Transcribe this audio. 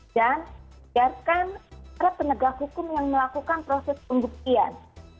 dan siarkan para penegak hukum yang melakukan proses pembuktian